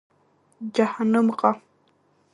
Џьаҳанымҟа!